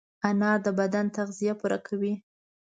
انار د بدن تغذیه پوره کوي.